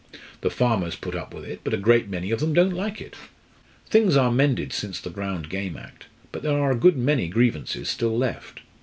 The farmers put up with it, but a great many of them don't like it. Things are mended since the Ground Game Act, but there are a good many grievances still left."